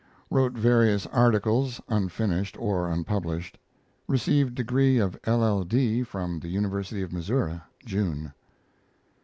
Wrote various articles, unfinished or unpublished. Received degree of LL.D. from the University of Missouri, June.